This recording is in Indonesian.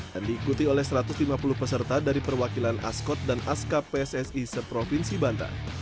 dan diikuti oleh satu ratus lima puluh peserta dari perwakilan askot dan aska pssi seprovinsi bantan